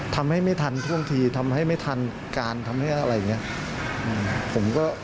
ทำให้ไม่ทันท่วงทีทำให้ไม่ทันการทำให้อะไรอย่างนี้